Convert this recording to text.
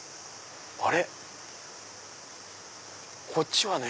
あれ⁉こっちはね